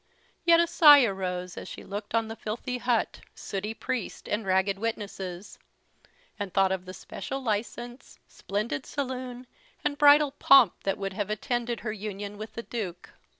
Yet a sigh arose as she looked on the filthy hut, sooty priest, and ragged witnesses; and thought of the special license, splendid saloon, and bridal pomp that would have attended her union with the Duke.